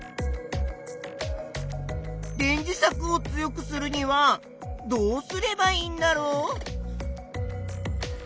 電磁石を強くするにはどうすればいいんだろう？